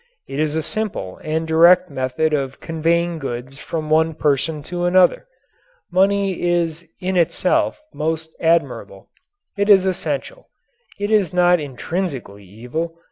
It is a simple and direct method of conveying goods from one person to another. Money is in itself most admirable. It is essential. It is not intrinsically evil.